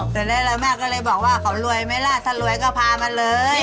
เสร็จแล้วแม่ก็เลยบอกว่าเขารวยไหมล่ะถ้ารวยก็พามาเลย